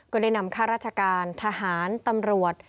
ก็ได้นำข้าราชการทหารตำรวจ